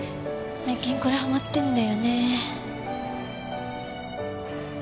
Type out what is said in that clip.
最近これハマってるんだよね。